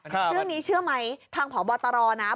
เรื่องนี้เชื่อไหมทางผอบตรนะ